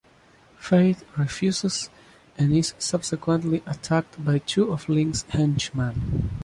Fait refuses and is subsequently attacked by two of Ling's henchman.